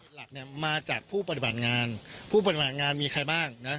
หลักเนี่ยมาจากผู้ปฏิบัติงานผู้ปฏิบัติงานมีใครบ้างนะ